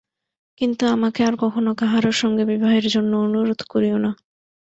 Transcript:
কিন্তু আমাকে আর কখনো কাহারো সঙ্গে বিবাহের জন্য অনুরোধ করিয়ো না।